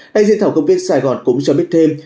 đại diện thảo cầm viên sài gòn cũng cho biết thêm